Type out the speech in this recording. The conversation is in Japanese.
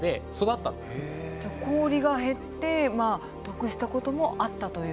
じゃ氷が減って得したこともあったという？